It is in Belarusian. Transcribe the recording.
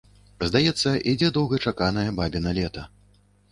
Здаецца, ідзе доўгачаканае бабіна лета.